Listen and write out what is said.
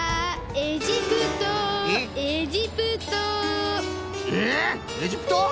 エジプト！？